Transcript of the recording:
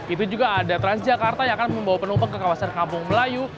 itu juga ada transjakarta yang akan membawa penumpang ke kawasan kampung melayu